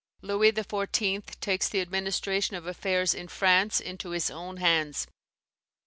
Louis XIV. takes the administration of affairs in France into his own hands.